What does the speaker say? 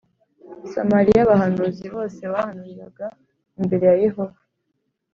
Samariya Abahanuzi bose bahanuriraga imbere ya yehova